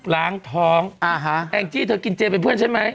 ล้างท้องแองจี้เธอกินเจเป็นเพื่อนใช่ไหม